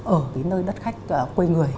ở cái nơi đất khách quê người